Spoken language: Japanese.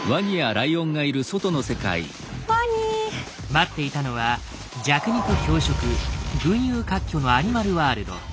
待っていたのは弱肉強食群雄割拠のアニマルワールド。